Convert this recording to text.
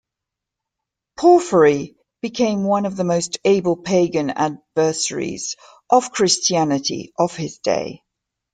Porphyry became one of the most able pagan adversaries of Christianity of his day.